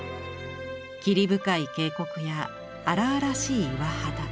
霧深い渓谷や荒々しい岩肌。